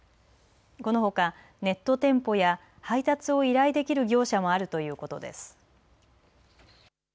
このほかネット店舗や配達を依頼できる業者もあるということです。